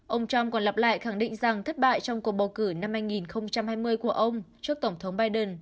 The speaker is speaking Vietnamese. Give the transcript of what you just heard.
ông trump còn lặp lại khẳng định rằng thất bại trong cuộc bầu cử năm hai nghìn hai mươi của ông trước tổng thống biden